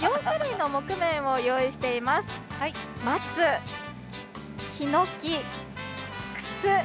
４種類の木毛を用意しています。